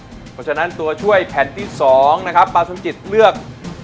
เพราะฉะนั้นตัวช่วยแผ่นที่๒นะครับป้าสมจิตเลือก